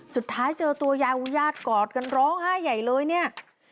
สุดท้ายเจอตัวยายอุญาติกอดกันร้องไห้ใหญ่เลยเนี่ย